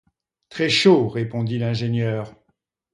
Très-chaud répondit l’ingénieur.